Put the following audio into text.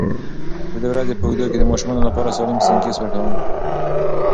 زه د ورځې په اوږدو کې د ماشومانو لپاره سالم سنکس ورکوم.